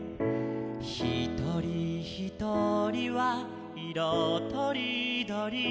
「ひとりひとりはいろとりどり」